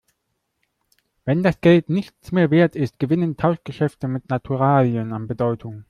Wenn das Geld nichts mehr Wert ist, gewinnen Tauschgeschäfte mit Naturalien an Bedeutung.